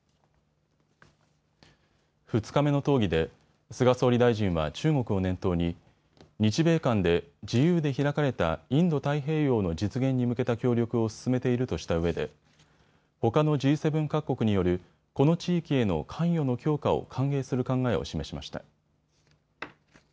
２日目の討議で菅総理大臣は中国を念頭に日米間で自由で開かれたインド太平洋の実現に向けた協力を進めているとしたうえでほかのＧ７各国によるこの地域への関与の強化を歓迎する考えを示しました。